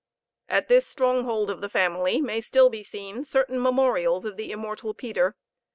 At this stronghold of the family may still be seen certain memorials of the immortal Peter.